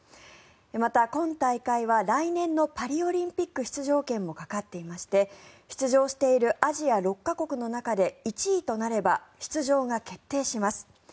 また今大会は来年のパリオリンピック出場権もかかっていまして出場しているアジア６か国の中で１位となれば出場が決定します。